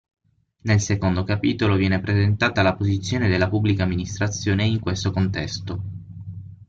Nel secondo capitolo viene presentata la posizione della Pubblica Amministrazione in questo contesto.